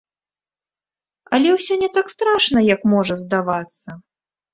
Але ўсё не так страшна, як можа здавацца.